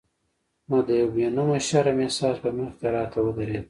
نو د یو بې نومه شرم احساس به مخې ته راته ودرېد.